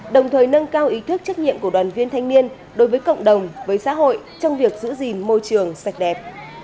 đồng thời nâng cao ý thức trách nhiệm của đoàn viên thanh niên đối với cộng đồng với xã hội trong việc giữ gìn môi trường sạch đẹp